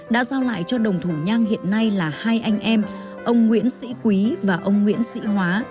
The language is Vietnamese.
đã giao lại cho đồng thủ nhang hiện nay là hai anh em ông nguyễn sĩ quý và ông nguyễn sĩ hóa